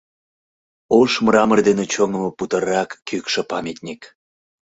Ош мрамор дене чоҥымо путырак кӱкшӧ памятник.